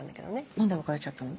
何で別れちゃったの？